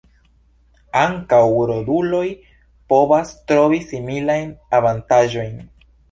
Ankaŭ roduloj povas trovi similajn avantaĝojn.